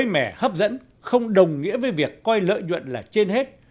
mẻ hấp dẫn không đồng nghĩa với việc coi lợi nhuận là trên hết